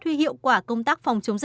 cái việc mà anh về với giấy